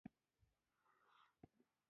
ما خپله تاسو ته لاس تړلى راوستو.